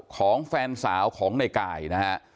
ของแฟนสาวของในกายนะฮะ